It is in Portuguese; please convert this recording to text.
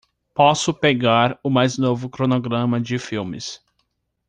Posso pegar o mais novo cronograma de filmes